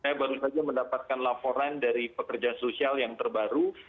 saya baru saja mendapatkan laporan dari pekerja sosial yang terbaru